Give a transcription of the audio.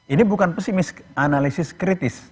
ini bukan pesimis analisis kritis